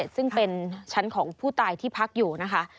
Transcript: ซึ่งเป็นชั้นของผู้ตายที่พักอยู่นะคะ